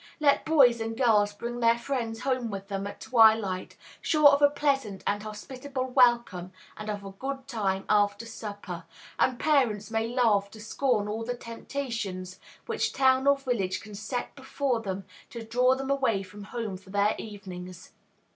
Let boys and girls bring their friends home with them at twilight, sure of a pleasant and hospitable welcome and of a good time "after supper," and parents may laugh to scorn all the temptations which town or village can set before them to draw them away from home for their evenings.